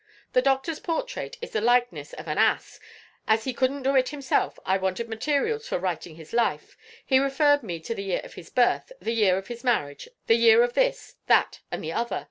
The doctor's portrait is the likeness of an ass. As he couldn't do it himself, I wanted materials for writing his life. He referred me to the year of his birth, the year of his marriage, the year of this, that, and the other.